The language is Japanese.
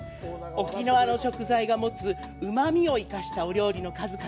沖縄の食材が持つうまみを生かしたお料理の数々。